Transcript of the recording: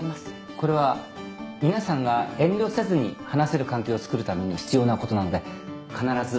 これは皆さんが遠慮せずに話せる環境をつくるために必要なことなので必ずお守りください。